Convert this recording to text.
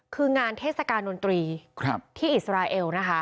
คืองานเทศกาลดนตรีที่อิสราเอลนะคะ